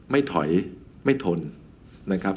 ไม่ถอยไม่ทนนะครับ